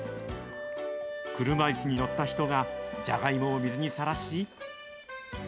車いすに乗った人がジャガイモを水にさらし。